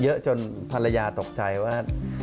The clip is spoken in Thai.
เยอะจนภรรยาตกใจว่า